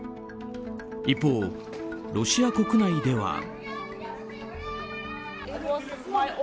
一方、ロシア国内では。